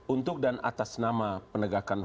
untuk dan atas nama penegak penegak